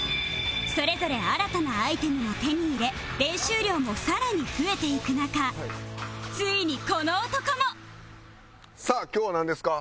それぞれ新たなアイテムを手に入れ練習量もさらに増えていく中ついにこの男もさあ今日はなんですか？